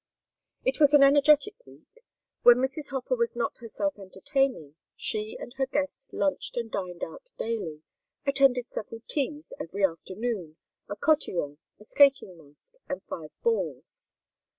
It was an energetic week. When Mrs. Hofer was not herself entertaining, she and her guest lunched and dined out daily, attended several teas every afternoon, a cotillon, a skating masque, and five balls.